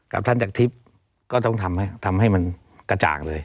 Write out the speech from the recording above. กับท่านจากทริปก็ต้องทำให้กระจ่างเลย